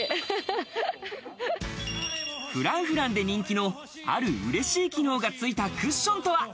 Ｆｒａｎｃｆｒａｎｃで人気のあるうれしい機能がついたクッションとは？